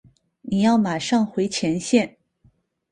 你要马上回前线。